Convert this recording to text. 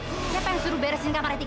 udah jelek jadi tak berjelek